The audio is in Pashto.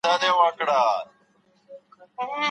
خاطب يا زوم بايد څنګه وپېژندل سي؟